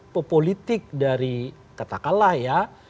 pemilik dari katakanlah ya